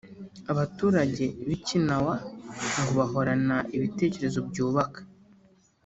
Abaturage b’Ikinawa ngo bahorana ibitekerezo byubaka